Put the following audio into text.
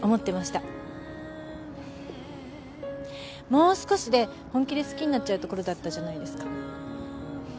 もう少しで本気で好きになっちゃうところだったじゃないですか。